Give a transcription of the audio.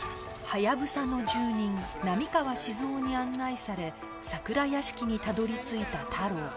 ハヤブサの住人波川志津雄に案内され桜屋敷にたどり着いた太郎